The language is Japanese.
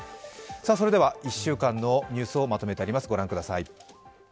それでは、１週間のニュースをまとめてあります、御覧ください。